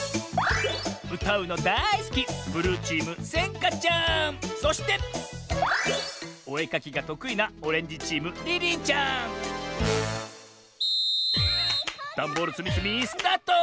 うたうのだいすきそしておえかきがとくいなダンボールつみつみスタート！